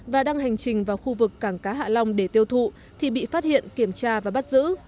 và đang hành trình vào khu vực cảng cá hạ long để tiêu thụ thì bị phát hiện kiểm tra và bắt giữ